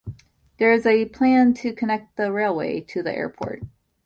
There is a plan to connect the railway to the airport.